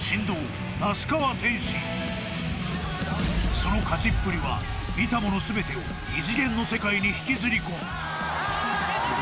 ［その勝ちっぷりは見た者全てを異次元の世界に引きずり込む］